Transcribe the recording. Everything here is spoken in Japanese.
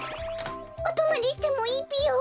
おとまりしてもいいぴよ？